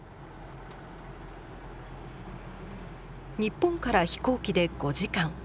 日本から飛行機で５時間。